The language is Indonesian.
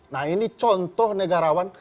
nah ini contoh negarawan